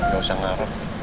ga usah ngaruh